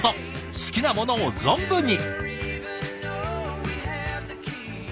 好きなものを存分に。